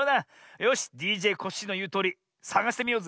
よしＤＪコッシーのいうとおりさがしてみようぜ。